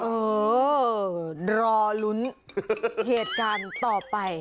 เออรอลุ้นเหตุการณ์ต่อไป